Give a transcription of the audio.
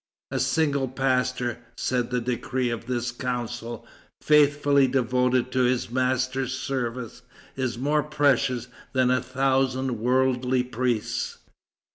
"A single pastor," said the decree of this council, "faithfully devoted to his Master's service, is more precious than a thousand worldly priests."